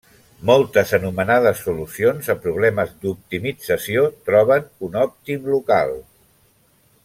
Moltes anomenades solucions a problemes d'optimització troben un òptim local.